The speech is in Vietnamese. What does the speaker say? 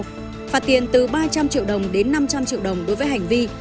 phạt tiền từ ba trăm linh triệu đồng đến năm trăm linh triệu đồng đối với hành vi